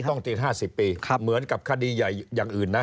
ต้องติด๕๐ปีเหมือนกับคดีใหญ่อย่างอื่นนะ